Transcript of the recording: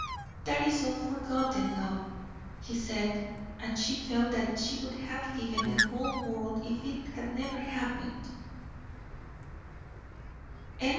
"That is all forgotten, love," he said, and she felt that she would have given the whole world if it had never happened.